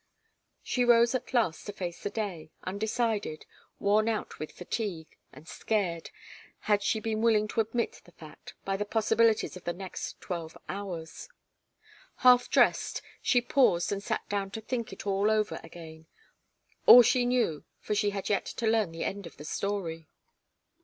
She rose at last to face the day, undecided, worn out with fatigue, and scared, had she been willing to admit the fact, by the possibilities of the next twelve hours. Half dressed, she paused and sat down to think it all over again all she knew, for she had yet to learn the end of the story.